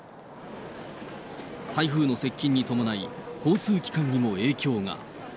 台風の接近に伴い、交通機関にも影響が。